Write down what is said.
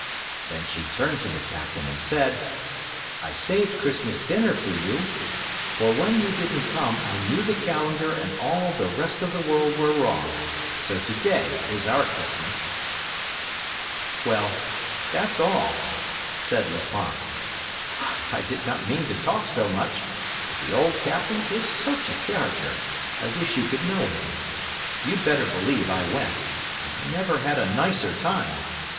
Then she turned to the Captain and said, 'I saved Christmas dinner for you; for when you didn't come I knew the calendar and all the rest of the world were wrong; so to day is our Christmas.'" —"Well, that's all," said Lesponts; "I did not mean to talk so much, but the old Captain is such a character, I wish you could know him. You'd better believe I went, and I never had a nicer time.